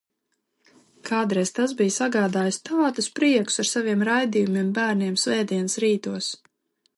Kādreiz tas bija sagādājis tādus priekus ar saviem raidījumiem bērniem svētdienas rītos.